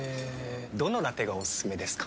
どのラテがおすすめですか？